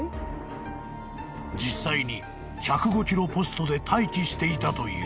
［実際に１０５キロポストで待機していたという］